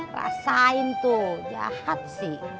rasain tuh jahat sih